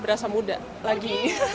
berasa muda lagi